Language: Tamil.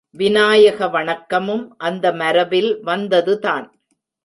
விநாயக வணக்கமும் அந்த மரபில் வந்ததுதான்.